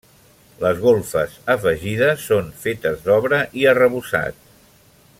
Les golfes, afegides, són fetes d'obra i arrebossat.